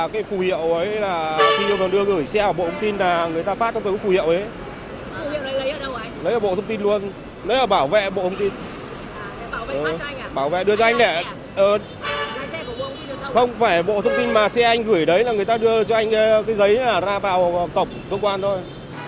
không phải bộ thông tin mà xe anh gửi đấy là người ta đưa cho anh cái giấy ra vào tổng cơ quan thôi